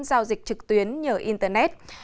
giao dịch trực tuyến nhờ internet